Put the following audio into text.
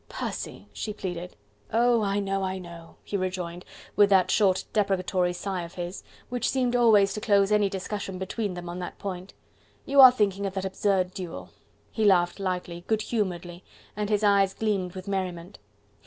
"Percy!" she pleaded. "Oh! I know! I know!" he rejoined with that short deprecatory sigh of his, which seemed always to close any discussion between them on that point, "you are thinking of that absurd duel..." He laughed lightly, good humouredly, and his eyes gleamed with merriment.